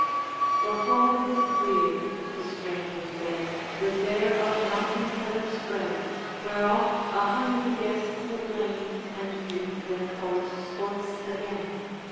The hall was cleared, the stranger's bed, Was there of mountain heather spread, Where oft a hundred guests had lain, And dreamed their forest sports again.